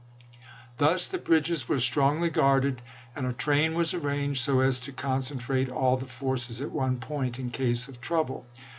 Thus the bridges were strongly guarded, and a train was arranged so as to con centrate all the forces at one point in case of trouble.